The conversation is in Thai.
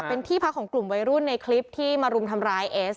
เป็นที่พักของกลุ่มวัยรุ่นในคลิปที่มารุมทำร้ายเอส